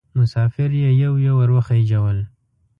مسافر یې یو یو ور وخېژول.